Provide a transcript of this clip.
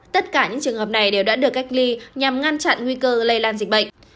tất cả những trường hợp này đều đã được cách ly nhằm ngăn chặn nguy cơ lây lan dịch bệnh